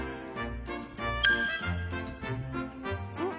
うん？